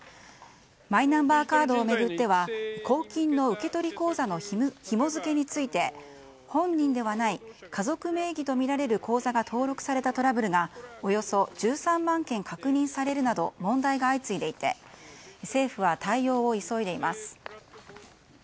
マイナンバーカードを巡っては公金の受取口座のひも付けについて、本人ではない家族名義とみられる口座が登録されたトラブルがおよそ１３万件確認されるなど問題が相次いでいて政府は対応を急いでいます。